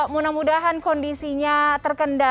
mudah mudahan kondisinya terkendali